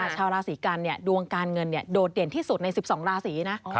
ชาวราศีกันดวงการเงินโดดเด่นที่สุดใน๑๒ราศีนะ